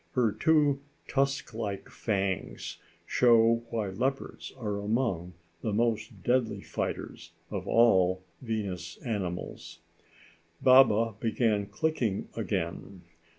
Her two tusk like fangs show why leopards are among the most deadly fighters of all the Venus animals. Baba began clicking again.